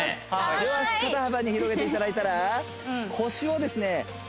両足肩幅に広げていただいたら腰をですね